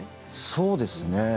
そうですね。